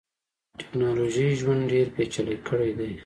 ټکنالوژۍ ژوند ډیر پېچلی کړیدی.